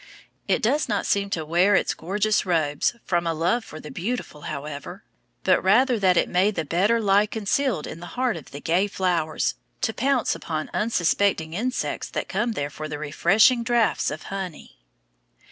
It does not seem to wear its gorgeous robes from a love for the beautiful, however, but rather that it may the better lie concealed in the heart of the gay flowers, to pounce upon unsuspecting insects that come there for refreshing draughts of honey.